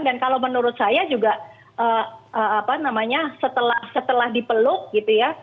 dan kalau menurut saya juga setelah dipeluk gitu ya